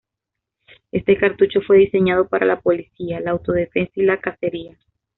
Este cartucho fue diseñado para la policía, la autodefensa y la cacería.